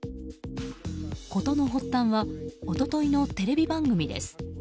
事の発端は一昨日のテレビ番組です。